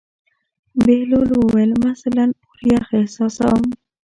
بهلول وویل: مثلاً اور یخ احساسوم.